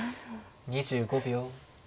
２５秒。